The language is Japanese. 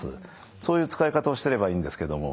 そういう使い方をしてればいいんですけども。